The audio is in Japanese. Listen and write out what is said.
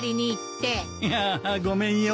いやあごめんよ。